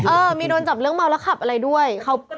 เออมีโดนจับเรื่องเมาแล้วขับอะไรด้วย